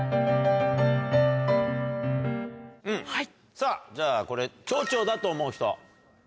さぁじゃあこれ長調だと思う人。